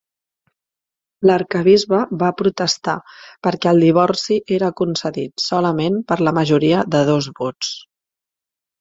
L'arquebisbe va protestar perquè el divorci era concedit solament per la majoria de dos vots.